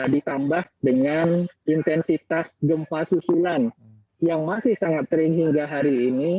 ditambah dengan intensitas gempa susulan yang masih sangat kering hingga hari ini